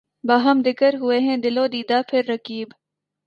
باہم دِکر ہوئے ہیں دل و دیده پهر رقیب